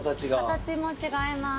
形も違います。